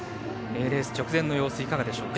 レース直前の様子いかがでしょうか？